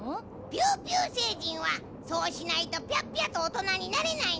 ピューピューせいじんはそうしないとピャッピャとおとなになれないのよ。